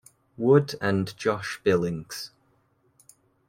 Wood and Josh Billings.